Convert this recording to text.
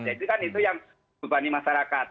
jadi kan itu yang membani masyarakat